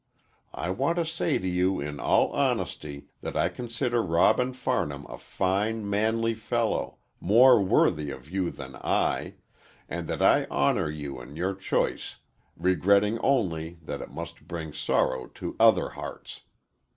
I want to say to you in all honesty that I consider Robin Farnham a fine, manly fellow more worthy of you than I and that I honor you in your choice, regretting only that it must bring sorrow to other hearts.